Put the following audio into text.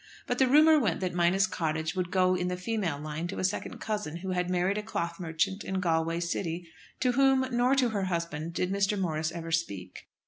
But the rumour went that Minas Cottage would go in the female line to a second cousin, who had married a cloth merchant in Galway city, to whom nor to her husband did Mr. Morris ever speak.